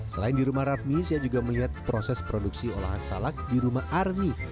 selain di rumah rafmi saya juga melihat proses produksi olahan salak di rumah army